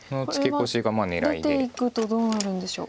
これは出ていくとどうなるんでしょう？